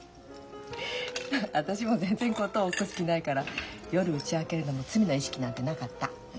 私も全然コトを起こす気ないから夜うち空けるのも罪の意識なんてなかった。